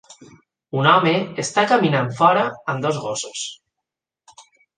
Un home està caminant fora amb dos gossos